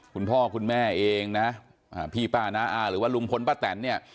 คุณพ่อคุณแม่เองนะพี่ป้าน้าอาหรือว่าลุงพลป้าแตนเนี่ย